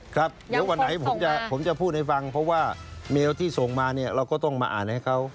ครับเดี๋ยววันไหนผมจะพูดให้ฟังเพราะว่าเมลที่ส่งมาเนี่ยเราก็ต้องมาอ่านให้เขา